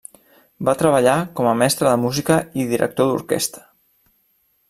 Va treballar com a mestre de música i director d'orquestra.